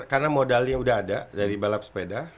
karena modalnya udah ada dari balap sepeda